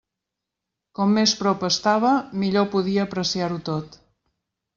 Com més prop estava, millor podia apreciar-ho tot.